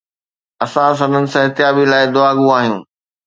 اسان سندن صحتيابي لاءِ دعاگو آهيون